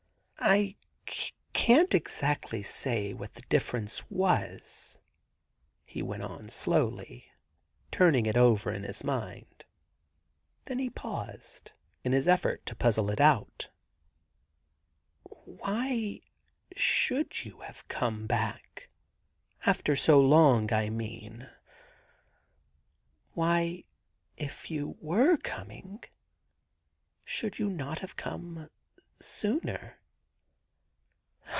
*I can't exactly say what the difference was,' he went on slowly, turning it over in his mind. Then he paused, in his effort to puzzle it out * Why should you have come back? — after so long, I mean. Why, if you were coming, should you not have come sooner